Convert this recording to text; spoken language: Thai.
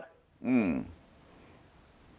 อืม